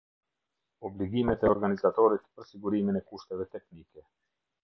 Obligimet e organizatorit për sigurimin e kushteve teknike.